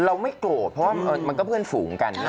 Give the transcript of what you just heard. เราไม่โกรธเพราะว่ามันก็เพื่อนฝูงกัน